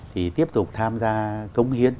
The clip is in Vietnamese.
thì tiếp tục tham gia công hiến